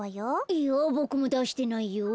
いやぼくもだしてないよ。